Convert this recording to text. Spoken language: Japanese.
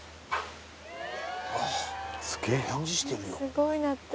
すごい鳴ってる。